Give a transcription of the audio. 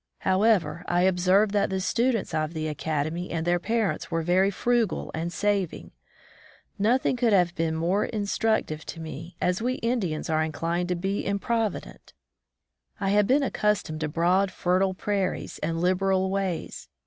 How ever, I observed that the students of the academy and their parents were very frugal and saving. Nothing could have been more instructive to me, as we Indians are inclined 66 College Life in the East to be improvident. I had been accustomed to broad, fertile prairies, and liberal ways.